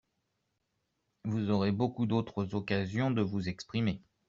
Vous aurez beaucoup d’autres occasions de vous exprimer.